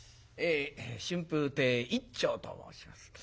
春風亭一朝と申します。